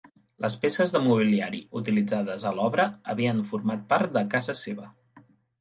Les peces de mobiliari utilitzades a l'obra havien format part de casa seva.